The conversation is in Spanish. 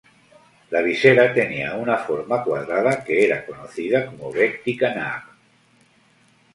La visera tenía una forma cuadrada que era conocida como "bec du canard".